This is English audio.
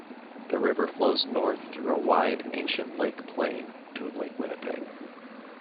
The river flows north through a wide ancient lake plain to Lake Winnipeg.